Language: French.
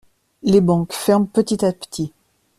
Les banques ferment petit à petit.